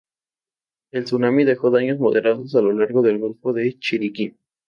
El tsunami dejó daños moderados a lo largo del golfo de Chiriquí.